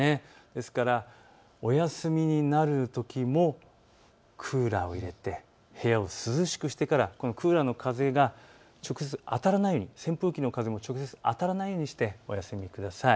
ですから、お休みになるときもクーラーを入れて部屋を涼しくしてからこのクーラーの風が直接当たらないように扇風機の風も直接当たらないようにしてお休みください。